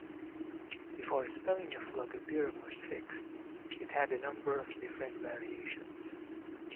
Before the spelling of Logabirum was fixed, it had a number of different variations.